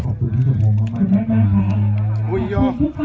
ขอบคุณที่ส่งผมมามากอุ้ยโย